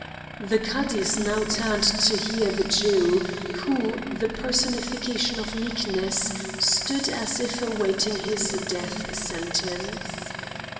The Cadis now turned to hear the Jew, who, the personification of meekness, stood as if awaiting his death sentence.